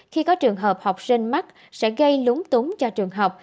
khi có trường hợp học sinh mắc sẽ gây lúng túng cho trường học